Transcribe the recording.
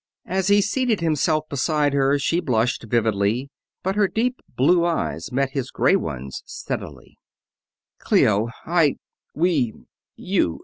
As he seated himself beside her she blushed vividly, but her deep blue eyes met his gray ones steadily. "Clio, I ... we